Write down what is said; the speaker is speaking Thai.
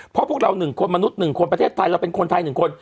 เพราะพวกเราหนึ่งคนมนุษย์หนึ่งคนประเทศไทยเราเป็นคนไทยหนึ่งคน